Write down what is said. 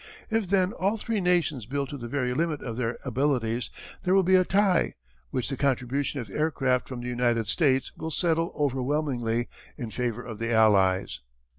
If then all three nations build to the very limit of their abilities there will be a tie, which the contribution of aircraft from the United States will settle overwhelmingly in favour of the Allies.